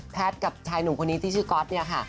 แพทย์กับชายหนุ่มคนนี้ที่ชื่อก๊อต